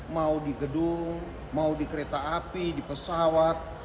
mau di gedung mau di kereta api di pesawat